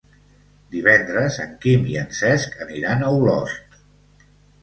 Divendres en Quim i en Cesc aniran a Olost.